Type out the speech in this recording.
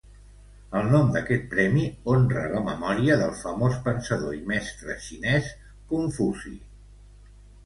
El nom d'aquest premi honra la memòria del famós pensador i mestre xinès Confuci.